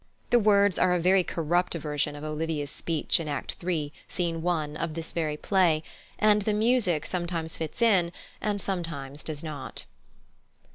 The words are a very corrupt version of Olivia's speech in Act iii., Scene 1 of this very play, and the music sometimes fits in and sometimes does not.